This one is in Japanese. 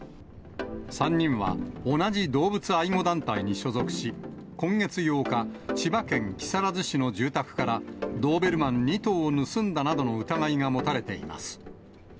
３人は、同じ動物愛護団体に所属し、今月８日、千葉県木更津市の住宅から、ドーベルマン２頭を盗んだなどの疑いが持たれています。